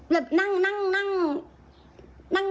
แล้วนั่ง